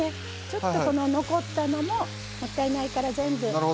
ちょっとこの残ったのももったいないからなるほど。